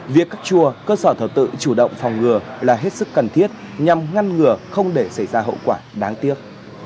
việc các chùa cơ sở thờ tự chủ động phòng ngừa là hết sức cần thiết nhằm ngăn ngừa không để xảy ra hậu quả đáng tiếc